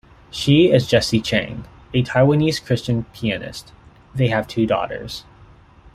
She is Jessie Chang, a Taiwanese Christian pianist; they have two daughters.